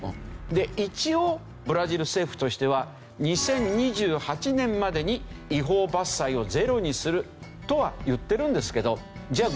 一応ブラジル政府としては２０２８年までに違法伐採をゼロにするとは言ってるんですけどじゃあ